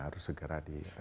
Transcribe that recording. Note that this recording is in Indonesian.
harus segera direalisasikan